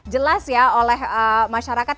jelas ya oleh masyarakat